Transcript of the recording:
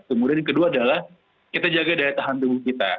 kemudian yang kedua adalah kita jaga daya tahan tubuh kita